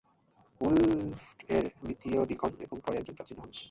উলফর্ট একার দ্বিতীয় ডিকন এবং পরে একজন প্রাচীন হন।